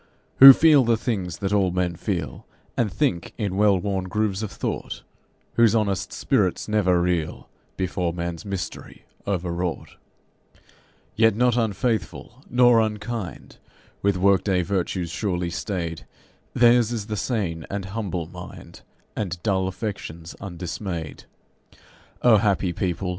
Who feel the things that all men feel, And think in well worn grooves of thought, Whose honest spirits never reel Before man's mystery, overwrought. Yet not unfaithful nor unkind, with work day virtues surely staid, Theirs is the sane and humble mind, And dull affections undismayed. O happy people!